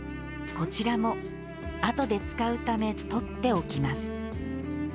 こちらも後で使うためとっておきます。